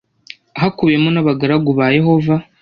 hakubiyemo n abagaragu ba Yehova